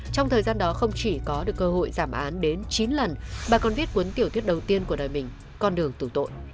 trong thời gian đó không chỉ có được cơ hội giảm án đến chín lần bà còn viết cuốn tiểu thuyết đầu tiên của đời mình con đường tử tội